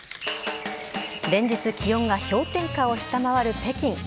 連日、気温が氷点下を下回る北京。